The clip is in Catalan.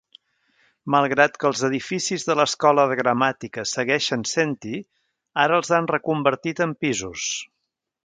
Malgrat que els edificis de l'escola de gramàtica segueixen sent-hi, ara els han reconvertit en pisos.